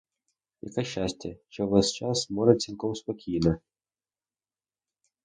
Яке щастя, що увесь час море цілком спокійне.